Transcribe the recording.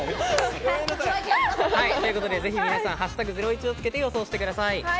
ぜひ皆さん「＃ゼロイチ」をつけて予想してください。